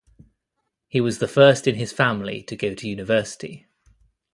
He was the first in his family to go to university.